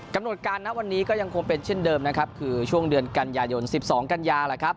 กำหนดการณวันนี้ก็ยังคงเป็นเช่นเดิมนะครับคือช่วงเดือนกันยายน๑๒กันยาแหละครับ